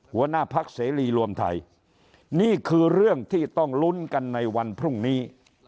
หัวหน้าพักเสรีรวมไทยนี่คือเรื่องที่ต้องลุ้นกันในวันพรุ่งนี้